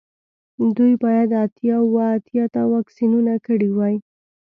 دوی باید اتیا اوه اتیا ته واکسینونه کړي وای